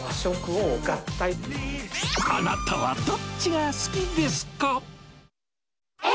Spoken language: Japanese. あなたはどっちが好きですか。